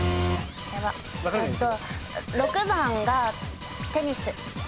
えっと６番がテニス。